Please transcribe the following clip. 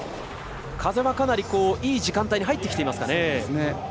風はかなりいい時間帯に入ってきていますか。